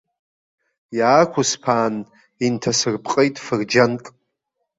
Иаақәысԥаан, инҭасырпҟеит фырџьанк.